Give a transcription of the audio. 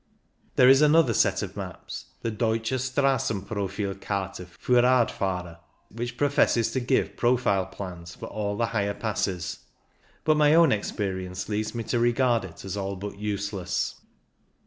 There is another set of maps, the " Deutsche Strassenprofilkarte fiir Radfahrer," which professes to give profile plans for all the higher passes; but my own experience leads me to regard it as all but useless.